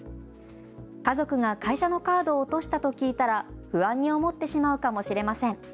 家族が会社のカードを落としたと聞いたら不安に思ってしまうかもしれません。